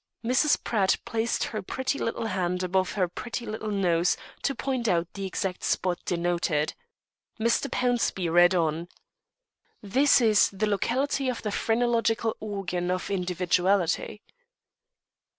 '" Mrs. Pratt placed her pretty little hand above her pretty little nose to point out the exact spot denoted. Mr. Pownceby read on. "'This is the locality of the Phrenological Organ of Individuality.'"